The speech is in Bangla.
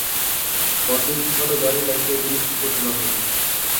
পরদিন সকালে গাড়ি ডাকিয়া জিনিসপত্র তোলা হইল।